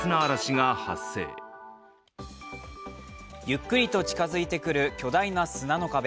ゆっくりと近づいてくる巨大な砂の壁。